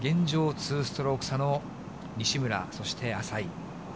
２ストローク差の西村、そして淺井。